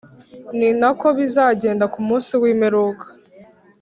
Ni na ko bizagenda ku munsi wimeruka